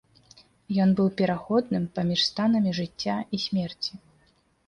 Ён быў пераходным паміж станамі жыцця і смерці.